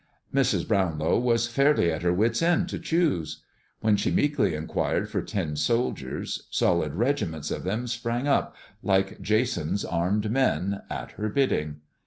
Mrs. Brownlow was fairly at her wits' end to choose. When she meekly inquired for tin soldiers, solid regiments of them sprang up, like Jason's armed men, at her bidding.